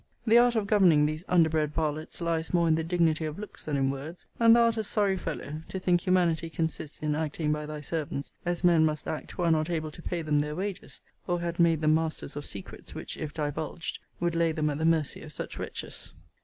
The art of governing these underbred varlets lies more in the dignity of looks than in words; and thou art a sorry fellow, to think humanity consists in acting by thy servants, as men must act who are not able to pay them their wages; or had made them masters of secrets, which, if divulged, would lay them at the mercy of such wretches.